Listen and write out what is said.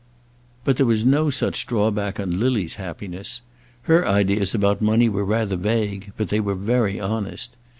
But there was no such drawback on Lily's happiness. Her ideas about money were rather vague, but they were very honest.